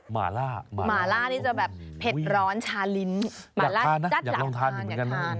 หมาล่าหมาล่านี่จะแบบเผ็ดร้อนชาลิ้นหมาล่าจัดหลักอยากทานนะอยากลองทานอยู่เหมือนกันนะ